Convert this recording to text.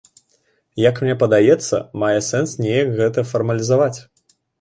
Як мне падаецца, мае сэнс неяк гэта фармалізаваць.